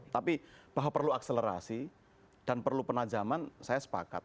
tapi bahwa perlu akselerasi dan perlu penajaman saya sepakat